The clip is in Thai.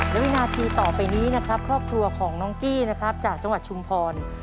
และวินาทีต่อไปนี้นะครับครอบครัวของน้องกี้นะครับจากจังหวัดชุมพร